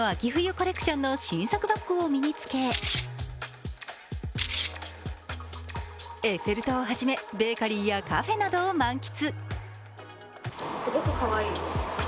コレクションの新作バッグを身につけエッフェル塔をはじめベーカリーやカフェなどを満喫。